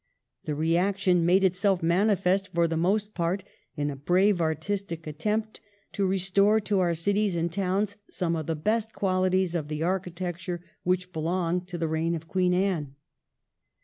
The reaction made itself manifest for the most part in a brave artistic attempt to restore to our cities and towns some of the best qualities of the architecture which be longed to the reign of Queen Anne.